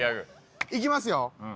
行きますよ。